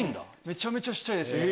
めちゃめちゃしたいですね。